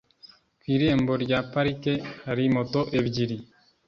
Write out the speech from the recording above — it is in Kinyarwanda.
Ku irembo rya parike hari moto ebyiri.